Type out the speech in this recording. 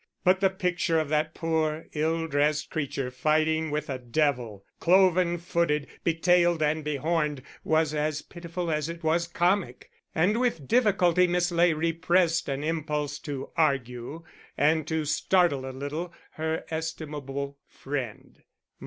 But the picture of that poor, ill dressed creature fighting with a devil, cloven footed, betailed and behorned, was as pitiful as it was comic; and with difficulty Miss Ley repressed an impulse to argue and to startle a little her estimable friend.